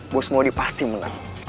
bos mondi pasti menang